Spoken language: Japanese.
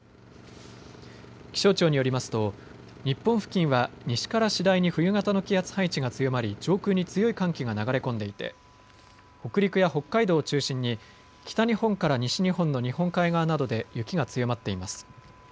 気象庁によりますと日本付近は西から次第に冬型の気圧配置が強まり上空に強い寒気が流れ込んでいて北陸や北海道を中心に北日本から西日本の日本海側などで雪が強まっています。